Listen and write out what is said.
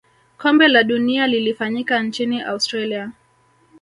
kombe la dunia lilifanyika nchini australia